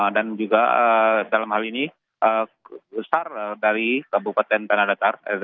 dan juga dalam hal ini besar dari kabupaten tanah datar